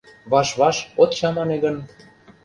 Ваш-ваш от чамане гын...